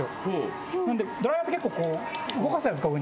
なんでドライヤーって結構こう動かすじゃないですか。